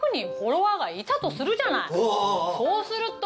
そうすると。